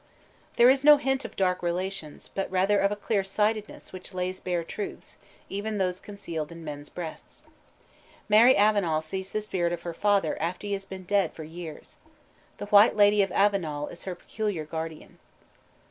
There is no hint of dark relations, but rather of a clear sightedness which lays bare truths, even those concealed in men's breasts. Mary Avenel sees the spirit of her father after he has been dead for years. The White Lady of Avenel is her peculiar guardian.